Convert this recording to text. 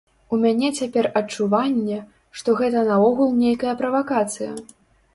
У мяне цяпер адчуванне, што гэта наогул нейкая правакацыя.